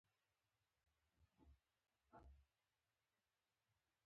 همدارنګه وروسته له مطلع دویمې مصرع سره درې سېلابه توپیر لري.